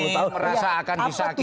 merasa akan disakiti